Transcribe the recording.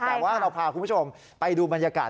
แต่ว่าเราพาคุณผู้ชมไปดูบรรยากาศ